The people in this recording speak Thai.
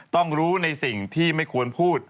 ต้องรู้ในสิ่งที่ไม่ควรพูด